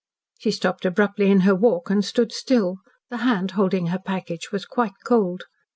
She stopped abruptly in her walk and stood still. The hand holding her package was quite cold.